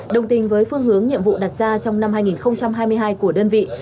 đồng tình với phương hướng nhiệm vụ đặt ra trong năm hai nghìn hai mươi hai của đơn vị